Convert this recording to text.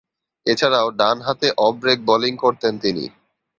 এছাড়াও ডানহাতে off break bowling করতেন তিনি।